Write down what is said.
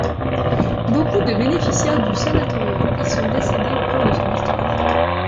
Beaucoup de bénéficiaires du sanatorium y sont décédés au cours de son histoire.